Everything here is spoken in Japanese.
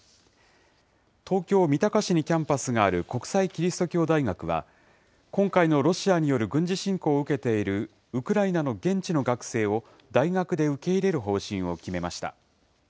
東京・三鷹市にキャンパスがある国際基督教大学は、今回のロシアによる軍事侵攻を受けているウクライナの現地の学生を大学で受け入れる方針を決めました。